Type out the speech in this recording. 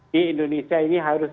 di indonesia ini harus